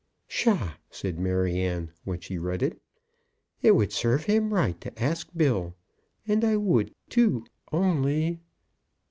"Psha!" said Maryanne, when she read it. "It would serve him right to ask Bill. And I would, too, only